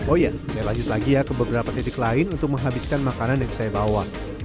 oh ya saya lanjut lagi ya ke beberapa titik lain untuk menghabiskan makanan yang saya bawa